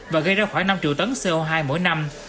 và gây ra khoảng năm triệu tấn co hai mỗi năm